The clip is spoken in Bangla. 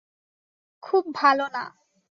খুব ভালো না।